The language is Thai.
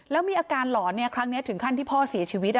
แล้วมีอาการหลอนครั้งนี้ถึงขั้นที่พ่อเสียชีวิต